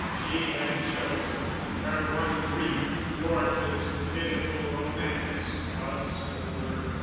She had chosen. Her one brief, gorgeous, pitiful romance was over.